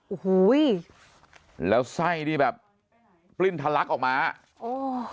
โอ้โหแล้วไส้นี่แบบปลิ้นทะลักออกมาโอ้